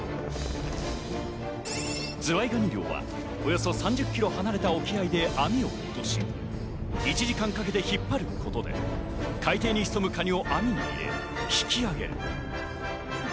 ずわいがに漁はおよそ３０ｋｍ離れた沖合で網を落とし１時間かけて引っ張ることで海底に潜むカニを網に入れ引き上げる。